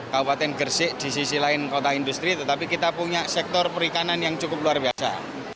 kabupaten gersik di sisi lain kota industri tetapi kita punya sektor perikanan yang cukup luar biasa